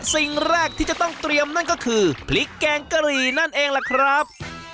สิ่งแรกที่จะต้องเตรียมนั่นก็คือพริกแกงกะหรี่นั่นเองล่ะครับ